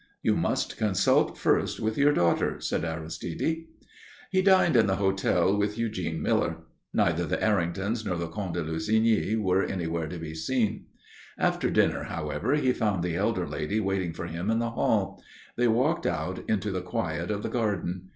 "You must consult first with your daughter," said Aristide. He dined in the hotel with Eugene Miller. Neither the Erringtons nor the Comte de Lussigny were anywhere to be seen. After dinner, however, he found the elder lady waiting for him in the hall. They walked out into the quiet of the garden.